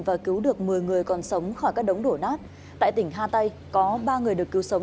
và cứu được một mươi người còn sống khỏi các đống đổ nát tại tỉnh hatay có ba người được cứu sống